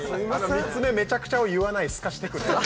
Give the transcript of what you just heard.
３つ目めちゃくちゃを言わないすかしテクね